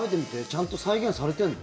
ちゃんと再現されてんの？